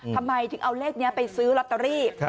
ทำไมถึงเอาเลขนี้ไปซื้อลอตเตอรี่